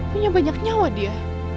punya banyak nyawa dia